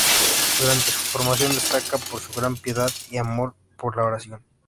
Durante su formación destaca por su gran piedad y amor por la oración.